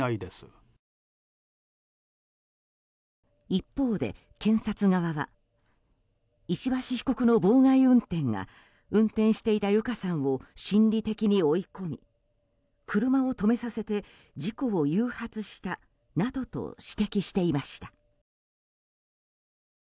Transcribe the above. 一方で検察側は石橋被告の妨害運転が運転していた友香さんを心理的に追い込み車を止めさせて事故を誘発したなどと指摘していました。